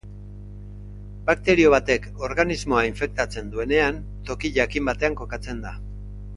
Bakterio batek organismoa infektatzen duenean toki jakin batean kokatzen da.